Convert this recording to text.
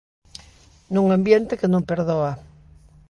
Nun ambiente que non perdoa.